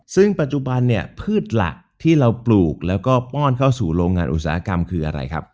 ซึ่งปัจจุบันเนี่ยพืชหลักที่เราปลูกแล้วก็ป้อนเข้าสู่โรงงานอุตสาหกรรมคืออะไรครับ